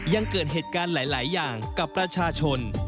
ยังเกิดเหตุการณ์หลายอย่างกับประชาชน